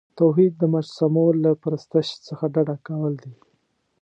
توحید د مجسمو له پرستش څخه ډډه کول دي.